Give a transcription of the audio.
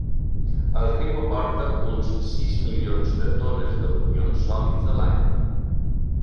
El riu aporta uns sis milions de tones d'al·luvions sòlids a l'any.